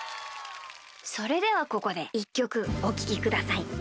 それではここで１きょくおききください。